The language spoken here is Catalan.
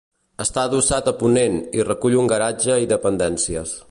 Està adossat a ponent i recull un garatge i dependències.